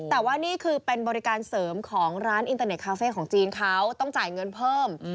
แต่ว่านี่คือเป็นบริการเสริมของร้านอินเตอร์เน็ตคาเฟ่ของจีนเขาต้องจ่ายเงินเพิ่ม